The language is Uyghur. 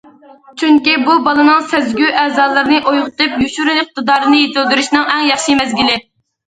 چۈنكى بۇ، بالىنىڭ سەزگۈ ئەزالىرىنى ئويغىتىپ، يوشۇرۇن ئىقتىدارىنى يېتىلدۈرۈشنىڭ ئەڭ ياخشى مەزگىلى.